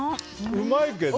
うまいけど。